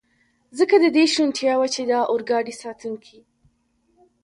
ځکه د دې شونتیا وه، چې د اورګاډي ساتونکي.